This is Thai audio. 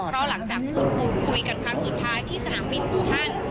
เพราะหลังจากคุณภูมิคุยกันครั้งสุดท้ายที่สนามมีธุรกรรมฯ